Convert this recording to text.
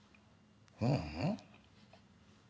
ううん。